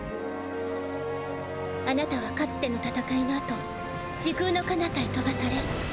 あなたはかつての戦いのあと時空のかなたへ飛ばされ。